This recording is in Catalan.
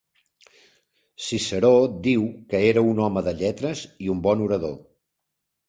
Ciceró diu que era un home de lletres i un bon orador.